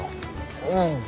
うん。